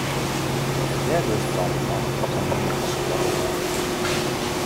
Dêr wurdst warch fan, sa'n middei te squashen.